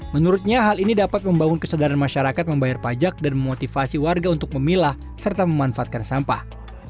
menurutnya hal ini dapat membangun kesadaran masyarakat membayar pajak dan memotivasi warga untuk memilah serta memanfaatkan sampah